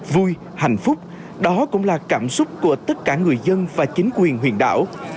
vui hạnh phúc đó cũng là cảm xúc của tất cả người dân và chính quyền huyện đảo